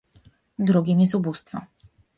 Drugim jest ubóstwo